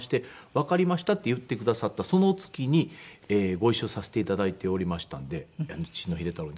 わかりましたって言ってくださったその月にご一緒させて頂いておりましたんで父の秀太郎に。